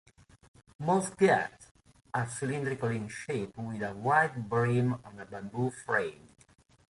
Most "gat" are cylindrical in shape with a wide brim on a bamboo frame.